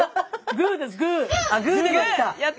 グーやった！